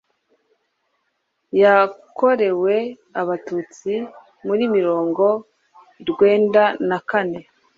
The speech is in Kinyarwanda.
yakorewe abatutsi muri mirongo rwenda na kane